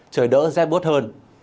trời đỡ rét bút hơn